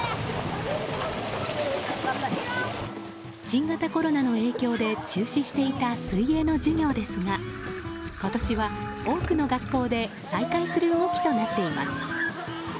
新型コロナの影響で中止していた水泳の授業ですが今年は多くの学校で再開する動きとなっています。